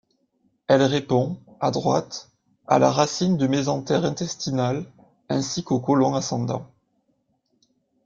Elle répond, à droite, à la racine du mésentère intestinal, ainsi qu'au côlon ascendant.